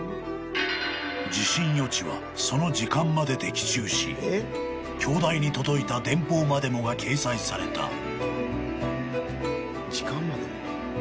［地震予知はその時間まで的中し京大に届いた電報までもが掲載された］